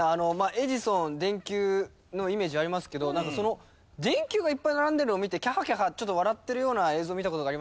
エジソン電球のイメージはありますけどなんかその電球がいっぱい並んでるのを見てキャハキャハ笑ってるような映像を見た事がありまして。